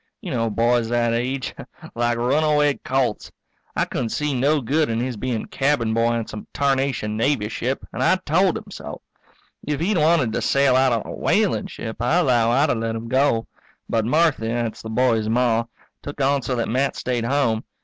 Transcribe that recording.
You know boys that age like runaway colts. I couldn't see no good in his being cabin boy on some tarnation Navy ship and I told him so. If he'd wanted to sail out on a whaling ship, I 'low I'd have let him go. But Marthy that's the boy's Ma took on so that Matt stayed home.